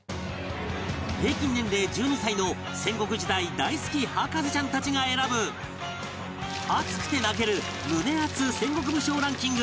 平均年齢１２歳の戦国時代大好き博士ちゃんたちが選ぶ熱くて泣ける胸アツ戦国武将ランキング